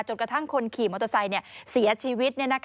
กระทั่งคนขี่มอเตอร์ไซค์เสียชีวิต